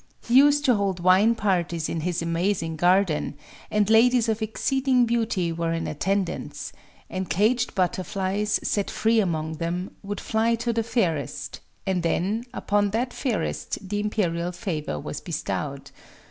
He used to hold wine parties in his amazing garden; and ladies of exceeding beauty were in attendance; and caged butterflies, set free among them, would fly to the fairest; and then, upon that fairest the Imperial favor was bestowed.